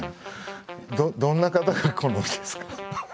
どんな方が好みですか？